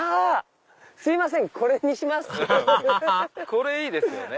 これいいですよね。